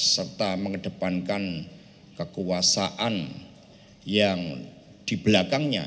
serta mengedepankan kekuasaan yang di belakangnya